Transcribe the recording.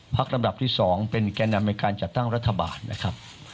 ภักดิ์ลำดับที่สองเป็นแก้วนำในการจัดตั้งรัฐบาลนะครับ